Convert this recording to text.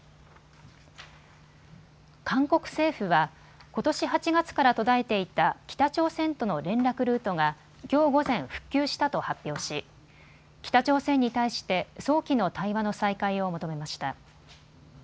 韓国政府はことし８月から途絶えていた北朝鮮との連絡ルートがきょう午前、復旧したと発表し北朝鮮に対して早期の対話の再開を求めました。